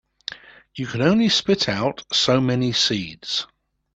You can only spit out so many seeds.